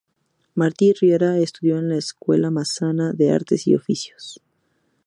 Martí Riera estudió en la Escuela Massana de Artes y Oficios.